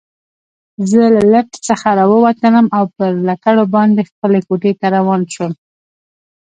زه له لفټ څخه راووتلم او پر لکړو باندې خپلې کوټې ته روان شوم.